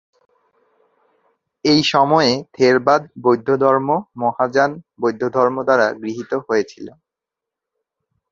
এই সময়ে, থেরবাদ বৌদ্ধধর্ম মহাযান বৌদ্ধধর্ম দ্বারা গৃহীত হয়েছিল।